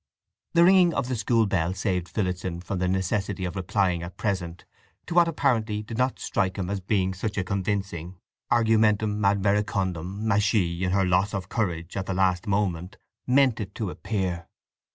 The ringing of the school bell saved Phillotson from the necessity of replying at present to what apparently did not strike him as being such a convincing argumentum ad verecundiam as she, in her loss of courage at the last moment, meant it to appear.